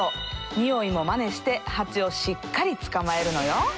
匂いもマネしてハチをしっかり捕まえるのよ。